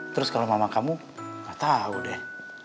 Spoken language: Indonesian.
terus kalau mama kamu gak tahu deh